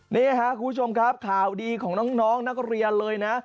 นี่ครับคุณผู้ชมครับข่าวดีของน้องนักเรียนเลยนะ